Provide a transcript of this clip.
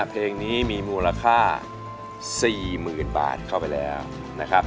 เพลงนี้มีมูลค่า๔๐๐๐บาทเข้าไปแล้วนะครับ